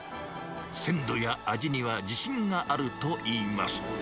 鮮度や味には自信があるといいます。